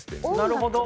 なるほど。